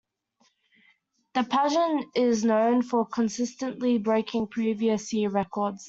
The pageant is known for consistently breaking previous year records.